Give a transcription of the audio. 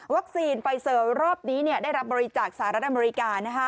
ไฟเซอร์รอบนี้ได้รับบริจาคสหรัฐอเมริกา